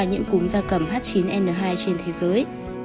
nhiễm cúm da cầm h chín n hai trên thế giới